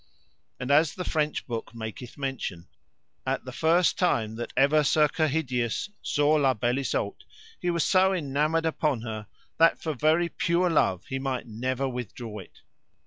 And as the French book maketh mention, at the first time that ever Sir Kehydius saw La Beale Isoud he was so enamoured upon her that for very pure love he might never withdraw it.